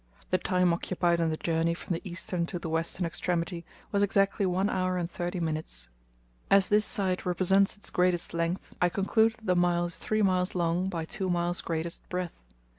The time occupied in the journey from the eastern to the western extremity was exactly one hour and thirty minutes. As this side represents its greatest length I conclude that the lake is three miles long by two miles greatest breadth.